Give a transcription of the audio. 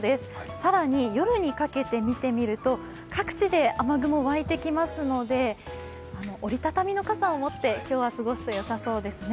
更に夜にかけて見てみると、各地で雨雲湧いてきますので、折りたたみの傘を持って今日は過ごすと良さそうですね。